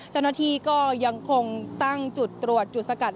เจ้าหน้าที่ก็ยังคงตั้งจุดตรวจจุดสกัด